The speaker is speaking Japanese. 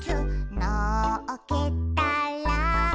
「のっけたら」